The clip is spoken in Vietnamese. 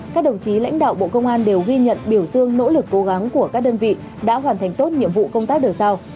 các đồng chí lãnh đạo bộ công an đều ghi nhận biểu dương nỗ lực cố gắng của các đơn vị đã hoàn thành tốt nhiệm vụ công tác được giao